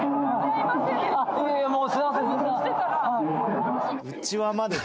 いえいえすいません。